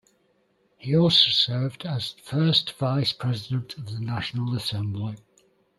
He also served as First Vice-President of the National Assembly.